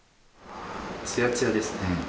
つやつやですね。